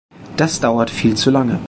Das dauert viel zu lange.